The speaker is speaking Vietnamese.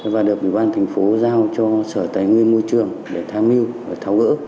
và được ủy ban thành phố giao cho sở tài nguyên môi trường để tham mưu và tháo gỡ